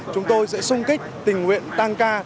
chúng tôi sẽ sung kích tình nguyện tăng ca